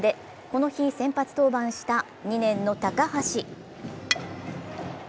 この日、先発登板した２年の高橋。